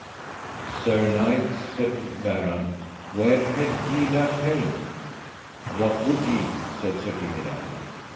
Sir knight, said Berrant, where had ye that helm? What would ye? said Sir Dinadan.